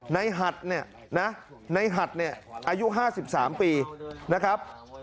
นายหัดนี่นายหัดนี่อายุ๕๓ปีนะครับ